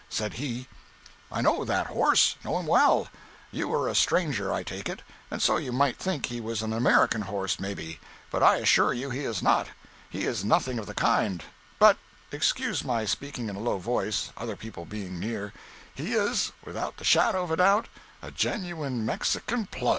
Said he: "I know that horse—know him well. You are a stranger, I take it, and so you might think he was an American horse, maybe, but I assure you he is not. He is nothing of the kind; but—excuse my speaking in a low voice, other people being near—he is, without the shadow of a doubt, a Genuine Mexican Plug!" 179.